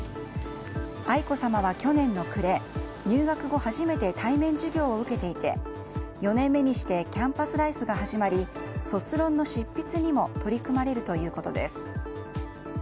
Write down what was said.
愛子さまは去年の暮れ入学後初めて対面授業を受けていて４年目にしてキャンパスライフが始まり卒論の執筆にも取り組まれるということです。